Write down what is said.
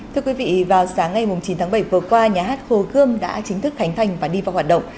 thưa quý vị vào sáng ngày chín tháng bảy vừa qua nhà hát hồ gươm đã chính thức khánh thành và đi vào hoạt động